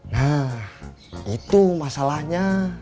nah itu masalahnya